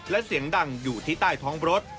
และเสียงดังอยู่ที่ใต้ท้องรถ